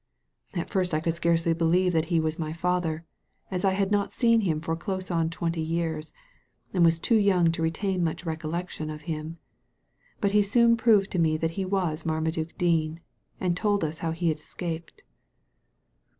At first I could scarcely believe that he was my father, as I had not seen htm for close on twenty years, and was too young to retain much recollection of him. But he soon proved to me that he was Marmaduke Dean, and told us how he had escaped.''